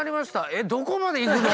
えどこまで行くの？」